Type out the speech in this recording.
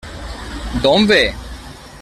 D'on ve?